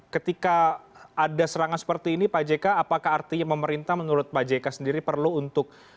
ketika ada serangan seperti ini pak jk apakah artinya pemerintah menurut pak jk sendiri perlu untuk